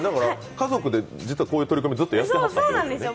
家族で実はこういう取り組みをずっとやっているんですね。